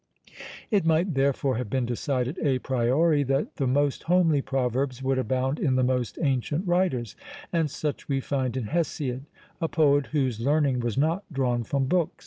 It might therefore have been decided, à priori, that the most homely proverbs would abound in the most ancient writers and such we find in Hesiod; a poet whose learning was not drawn from books.